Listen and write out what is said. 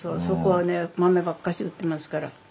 そこはね豆ばっかし売ってますから。